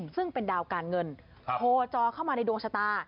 ซึ่งเป็นดาวการเงินโพจอเข้ามาในดวงชะตา